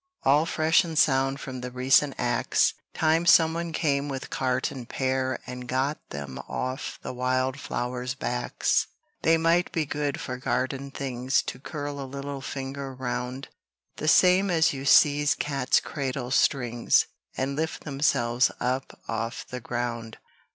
All fresh and sound from the recent axe. Time someone came with cart and pair And got them off the wild flower's backs. They might be good for garden things To curl a little finger round, The same as you seize cat's cradle strings, And lift themselves up off the ground.